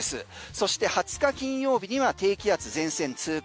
そして２０日金曜日には低気圧、前線通過。